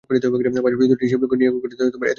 পাশাপাশি দু’টি শিব লিঙ্গ নিয়ে গঠিত এ মন্দির।